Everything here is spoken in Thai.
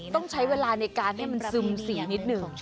ต้องใช้เวลาในการให้มันซึมสีนิดหนึ่ง